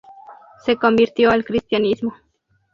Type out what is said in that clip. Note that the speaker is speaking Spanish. Se convirtió al cristianismo.